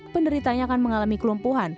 penderitanya akan mengalami kelumpuhan